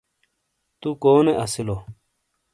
تٗو کونے اسیلو؟